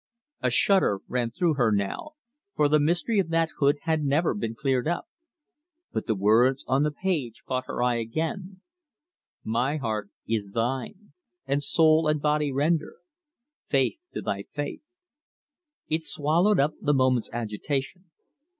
A shudder ran through her now, for the mystery of that hood had never been cleared up. But the words on the page caught her eye again: "My heart is thine, and soul and body render Faith to thy faith..." It swallowed up the moment's agitation.